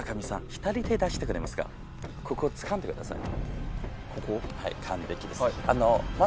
右手出してくれますかここつかんでください。